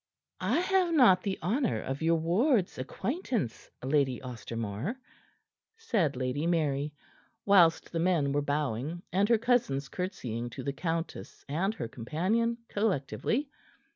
"I have not the honor of your ward's acquaintance, Lady Ostermore," said Lady Mary, whilst the men were bowing, and her cousins curtseying to the countess and her companion collectively.